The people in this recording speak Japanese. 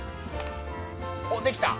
おっできた？